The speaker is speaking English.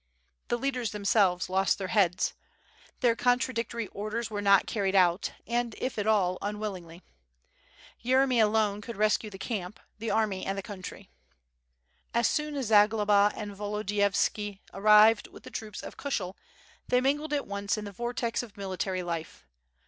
The leaders themselves lost their heads. Their contradictory orders were not carried out, and if at all, unwillingly. Yere my alone could rescue the camp, the army and the country. As soon as Zagloba and Volodiyovski arrived with the troops of Kushel they mingled at once in the vortex of mili tary life.